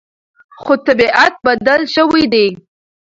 خو طبیعت بدل شوی دی.